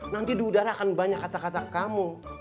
nanti di udara akan banyak kata kata kamu